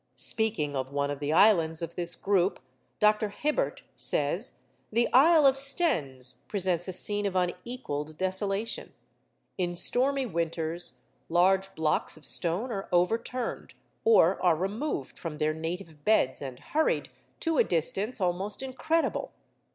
Speaking of one of the islands of this group, Dr. Hibbert says: 'The isle of Stennes presents a scene of unequalled desolation. In stormy winters, large blocks of stone are overturned, or are removed from their native beds, and hurried to a distance almost incredible.